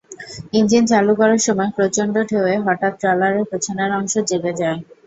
Engine চালু করার সময় প্রচণ্ড ঢেউয়ে হঠাৎ ট্রলারের পেছনের অংশ জেগে যায়।